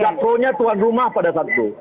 jakpro nya tuan rumah pada saat itu